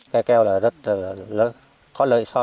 cây keo là rất lớn có lợi so với